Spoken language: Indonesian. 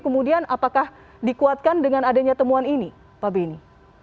kemudian apakah dikuatkan dengan adanya temuan ini pak beni